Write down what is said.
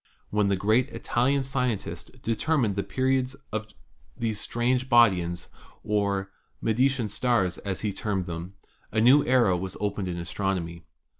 When the great Italian scientist determined the periods of these strange bodies, or "Medicean stars," as he termed them, a new era was opened in astronomy.